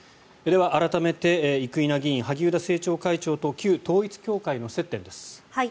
では、改めて生稲議員、萩生田政調会長と旧統一教会の接点です。